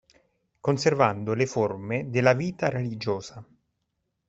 Conservando le forme della vita religiosa.